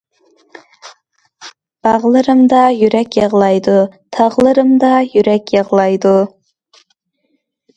باغلىرىمغا يۈرەك يىغلايدۇ، تاغلىرىمغا يۈرەك يىغلايدۇ.